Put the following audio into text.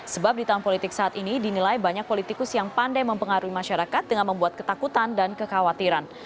sebab di tahun politik saat ini dinilai banyak politikus yang pandai mempengaruhi masyarakat dengan membuat ketakutan dan kekhawatiran